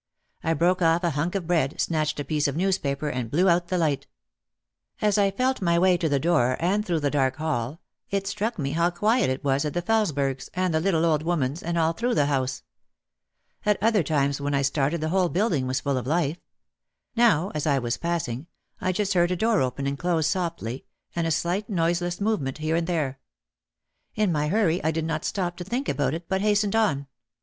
I broke off a hunk of bread, snatched a piece of newspaper and blew out the light. As I felt my way to the door and through the dark hall it struck me how quiet it was at the Felesbergs and the little old woman's and all through the house. At other times when I started the whole building was full of life. Now as I was passing I just heard a door open and close softly, and a slight noiseless movement here and there. In my hurry I did not stop to think about it but hastened on.